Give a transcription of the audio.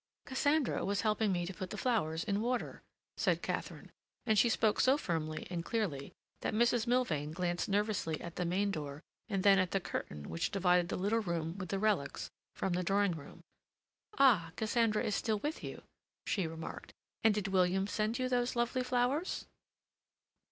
"Cassandra was helping me to put the flowers in water," said Katharine, and she spoke so firmly and clearly that Mrs. Milvain glanced nervously at the main door and then at the curtain which divided the little room with the relics from the drawing room. "Ah, Cassandra is still with you," she remarked. "And did William send you those lovely flowers?"